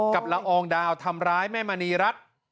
ละอองดาวทำร้ายแม่มณีรัฐ